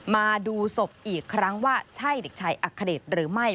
มาดูศพอีกครั้งว่าใช่เด็กชายอัคเดชหรือไม่